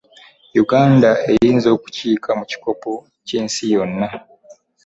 Yuganda eyinza okukiika mu kikopo ky'ensi yonna.